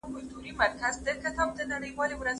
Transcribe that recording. لویان د ورو کښتۍ چلولو ویډیو اوږده بولي.